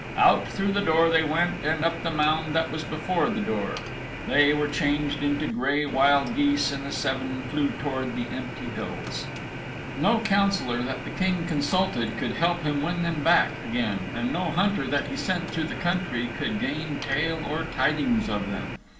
Out through the door they went, and up the mound that was before the door. There they changed into gray wild geese, and the seven flew towards the empty hills. No councillor that the King consulted could help to win them back again, and no hunter that he sent through the country could gain tale or tidings of them.